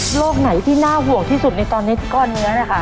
โรคไหนที่น่าห่วงที่สุดในตอนนี้ก้อนเนื้อนะคะ